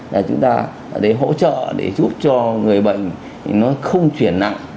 là chúng ta để hỗ trợ để giúp cho người bệnh nó không chuyển nặng